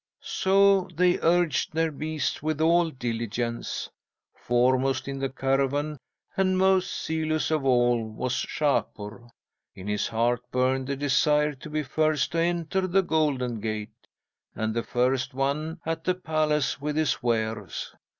"'So they urged their beasts with all diligence. Foremost in the caravan, and most zealous of all, was Shapur. In his heart burned the desire to be first to enter the Golden Gate, and the first one at the palace with his wares.